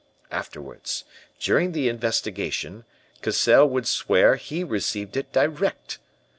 Afterwards, during the investigation, Cassell would swear he received it direct.